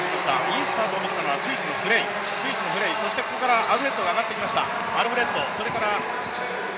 いいスタートを見せたのはスイスのフレイ、そしてここからアルフレッドが上がってきました。